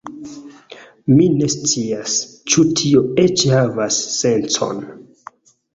Mi ne scias, ĉu tio eĉ havas sencon.